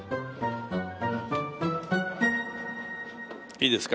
いいですか？